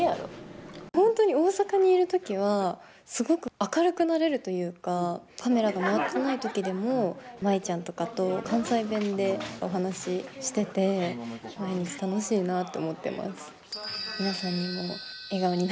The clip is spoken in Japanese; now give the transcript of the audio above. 本当に大阪にいる時はすごく明るくなれるというかカメラが回ってない時でも舞ちゃんとかと関西弁でお話ししてて毎日楽しいなと思ってます。